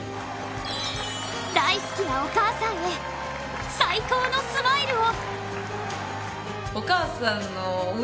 大好きなお母さんへ最高のスマイルを。